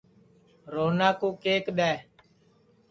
روہنا کُو کیک دؔے